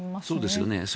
そうですよね。